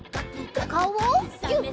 おかおをギュッ！